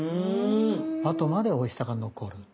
あとまでおいしさが残る。